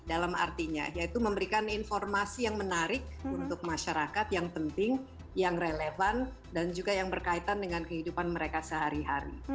dalam artinya yaitu memberikan informasi yang menarik untuk masyarakat yang penting yang relevan dan juga yang berkaitan dengan kehidupan mereka sehari hari